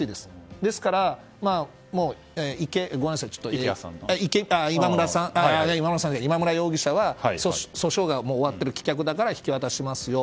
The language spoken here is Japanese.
ですから、今村容疑者は訴訟が終わっている訴訟が棄却されたから引き渡ししますよと。